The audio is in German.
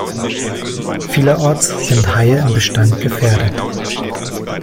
Vielerorts sind Haie im Bestand gefährdet.